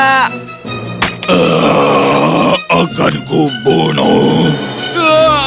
aku akan membunuhmu